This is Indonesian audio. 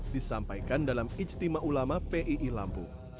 disampaikan dalam ijtima ulama pii lampung